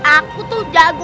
aku tuh jago